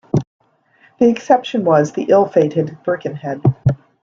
The exception was the ill-fated "Birkenhead".